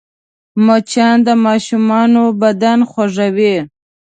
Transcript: مچان د ماشومانو بدن خوږوي